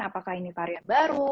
apakah ini varian baru